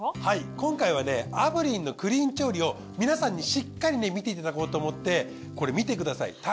はい今回はね炙輪のクリーン調理を皆さんにしっかりね見ていただこうと思ってこれ見てください。